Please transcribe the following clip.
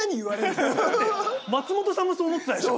松本さんもそう思ってたでしょ？